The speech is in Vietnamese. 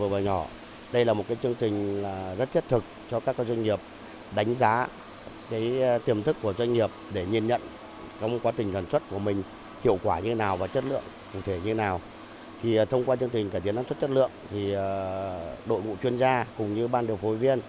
với các doanh nghiệp đoàn xuất chất lượng đội ngũ chuyên gia cùng ban điều phối viên